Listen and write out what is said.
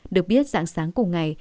được biết sáng sáng cùng ngày